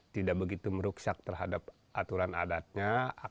tidak begitu meruksak terhadap aturan adatnya